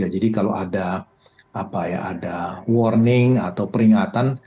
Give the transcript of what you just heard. jadi kalau ada warning atau peringatan